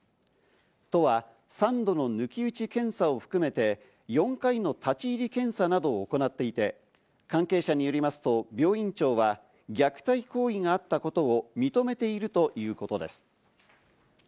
都は３度の抜き打ち検査を含めて、４回の立ち入り検査などを行っていて、関係者によりますと病院長は虐待行為があったことを認めているということです。